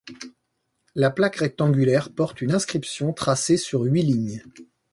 La plaque rectangulaire porte une inscription tracée sur huit lignes.